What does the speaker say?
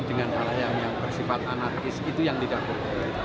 dengan hal yang bersifat anarkis itu yang tidak boleh